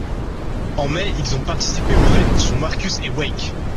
En mai, ils ont participé au raid sur Marcus et Wake.